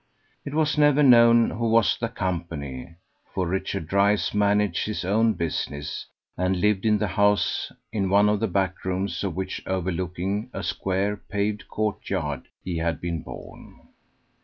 It was never known who was the Co., for Richard Dryce managed his own business, and lived in the house, in one of the back rooms of which overlooking a square paved courtyard he had been born.